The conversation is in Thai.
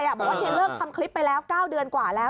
บอกว่าเธอเลิกทำคลิปไปแล้ว๙เดือนกว่าแล้ว